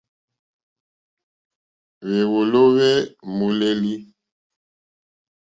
Hwéwòló hwé mòlêlì.